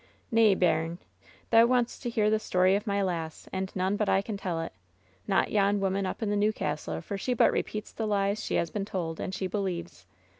"Nay, bairn, thou wants to hear the story of my lass, and none but I can tell it. Not yon woman up in the new castle, for she but repeats the lies she has been told, and she believes.